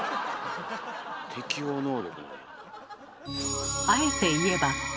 適応能力。